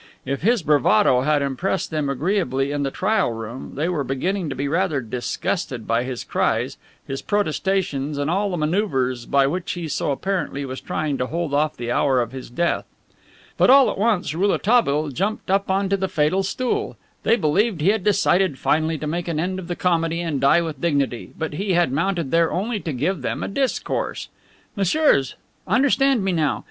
If his bravado had impressed them agreeably in the trial room, they were beginning to be rather disgusted by his cries, his protestations and all the maneuvers by which he so apparently was trying to hold off the hour of his death. But all at once Rouletabille jumped up onto the fatal stool. They believed he had decided finally to make an end of the comedy and die with dignity; but he had mounted there only to give them a discourse. "Messieurs, understand me now.